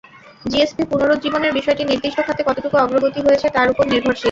GSP পুনরুজ্জীবনের বিষয়টি নির্দিষ্ট খাতে কতটুকু অগ্রগতি হয়েছে, তার ওপর নির্ভরশীল।